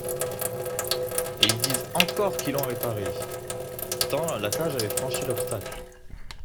Et ils disent encore qu'ils l'ont réparé ! Pourtant, la cage avait franchi l'obstacle.